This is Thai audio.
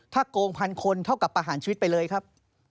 โกงพันคนเท่ากับประหารชีวิตไปเลยครับ